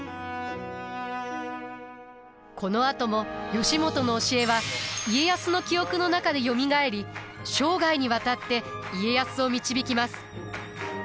このあとも義元の教えは家康の記憶の中でよみがえり生涯にわたって家康を導きます。